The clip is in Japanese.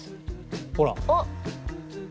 ほら。おっ。